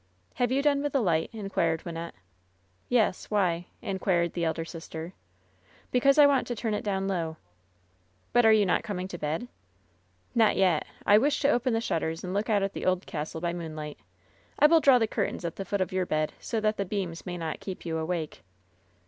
"Have you done with the light ?" inquired Wynnette. "Yes. Why ?" inquired the elder sister, "Because I want to turn it down low." "But are you not coming to bed f " "Not yet. I wish to open the shutters and look out at the old castle by moonlight. I will draw the curtains at the foot of your bed, so that the beams may not keep you awake."